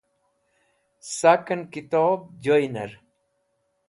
Saken Kitob Joyner